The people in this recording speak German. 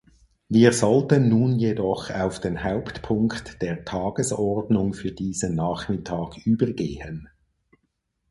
Wir sollten nun jedoch auf den Hauptpunkt der Tagesordnung für diesen Nachmittag übergehen.